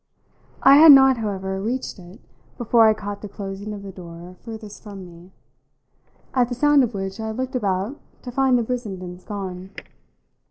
I had not, however, reached it before I caught the closing of the door furthest from me; at the sound of which I looked about to find the Brissendens gone.